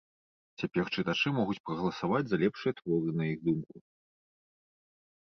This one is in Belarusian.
Цяпер чытачы могуць прагаласаваць за лепшыя творы на іх думку.